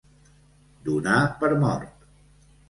Donar per mort.